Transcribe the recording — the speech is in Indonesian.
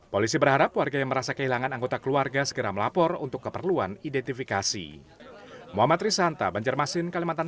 polisi berharap warga yang merasa kehilangan anggota keluarga segera melapor untuk keperluan identifikasi